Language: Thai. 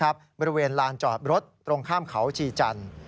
บริเวณลานจอดรถตรงข้ามเขาชีจันทร์